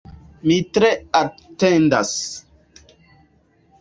Mi tre atendas.